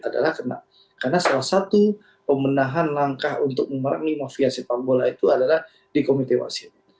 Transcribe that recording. adalah karena salah satu pemenahan langkah untuk memerangi mafiasi panggola itu adalah di komite masyid